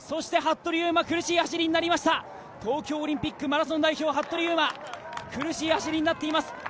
服部勇馬、苦しい走りになりました東京オリンピックマラソン代表、服部勇馬、苦しい走りになっています